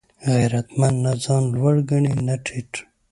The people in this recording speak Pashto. غیرتمند نه ځان لوړ ګڼي نه ټیټ